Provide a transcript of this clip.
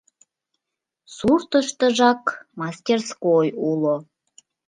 Суртыштыжак мастерской уло.